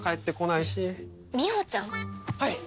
はい。